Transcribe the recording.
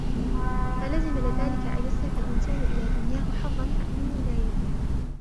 فَلَزِمَ لِذَلِكَ أَنْ يَصْرِفَ الْإِنْسَانُ إلَى دُنْيَاهُ حَظًّا مِنْ عِنَايَتِهِ